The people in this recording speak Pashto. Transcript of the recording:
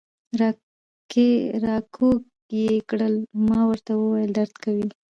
را کږ یې کړل، ما ورته وویل: درد کوي.